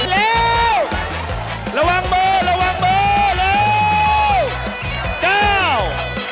เร็วระวังเบอร์ระวังเบอร์เร็ว